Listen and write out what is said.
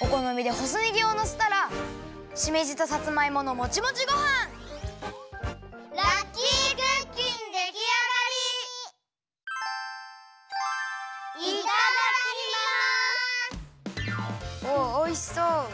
おおおいしそう！